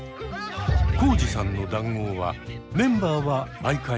コウジさんの談合はメンバーは毎回同じ。